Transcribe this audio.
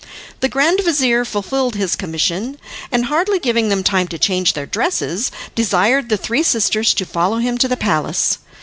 The grand vizir fulfilled his commission, and hardly giving them time to change their dresses, desired the three sisters to follow him to the palace.